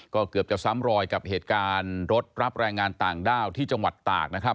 ก็เกือบจะซ้ำรอยกับเหตุการณ์รถรับแรงงานต่างด้าวที่จังหวัดตากนะครับ